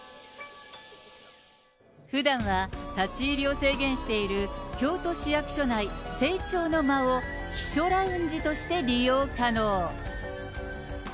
ふだんは立ち入りを制限している京都市役所内正庁の間を避暑ラウンジとして利用可能。